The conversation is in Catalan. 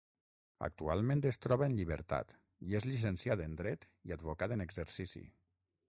Actualment es troba en llibertat i és llicenciat en dret i advocat en exercici.